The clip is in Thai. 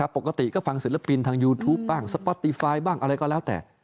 ปกติก็ฟังศิลปินทางยูทูปบ้างสปอตตี้ไฟล์บ้างอะไรก็แล้วแต่